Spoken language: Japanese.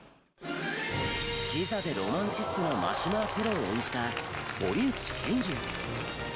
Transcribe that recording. キザでロマンチストなマシュマー・セロを演じた堀内賢雄。